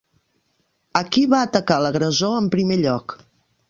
A qui va atacar l'agressor en primer lloc?